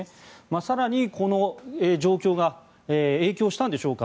更に、この状況が影響したのでしょうか